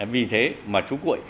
vì thế mà chú quệ